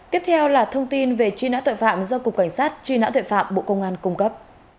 tiếp theo là thông tin về truy nã tội phạm do cục cảnh sát truy nã tuệ phạm bộ công an cung cấp